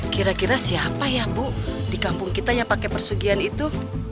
kira kira siapa ya bu di kampung kita yang pakai persugian itu